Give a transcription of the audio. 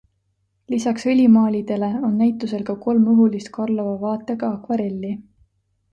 Lisaks õlimaalidele on näitusel ka kolm õhulist Karlova vaatega akvarelli.